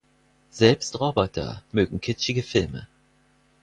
Selbst Roboter mögen kitschige Filme.